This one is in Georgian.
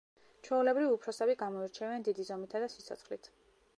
ჩვეულებრივ, უფროსები გამოირჩევიან დიდი ზომითა და სიცოცხლით.